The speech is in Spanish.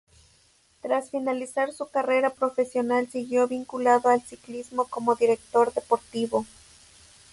Tras finalizar su carrera profesional siguió vinculado al ciclismo como director deportivo.